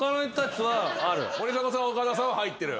森迫さん岡田さんは入ってる。